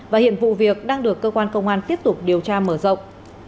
và hiện vụ việc đang được cơ quan công an tiếp tục điều tra mở rộng